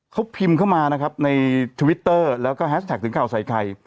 เขาพิมพ์เข้ามานะครับในทวิตเตอร์แล้วก็แฮชแท็กถึงข่าวใส่ไข่